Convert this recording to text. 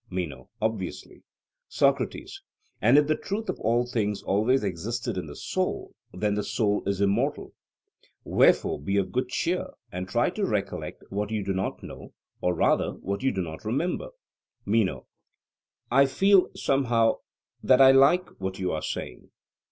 MENO: Obviously. SOCRATES: And if the truth of all things always existed in the soul, then the soul is immortal. Wherefore be of good cheer, and try to recollect what you do not know, or rather what you do not remember. MENO: I feel, somehow, that I like what you are saying.